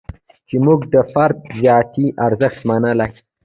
چې موږ د فرد ذاتي ارزښت منلی.